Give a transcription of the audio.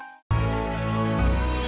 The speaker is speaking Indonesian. keren kamu pembohong sejati ya